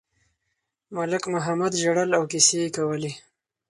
ملک محمد ژړل او کیسې یې کولې.